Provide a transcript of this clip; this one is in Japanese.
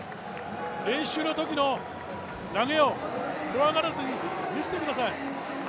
練習のときの投げを、怖がらずに見せてください。